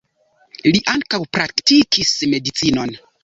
Li ankaŭ praktikis medicinon.